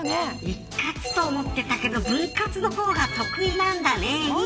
一括と思ってたけど分割の方がお得なんだね。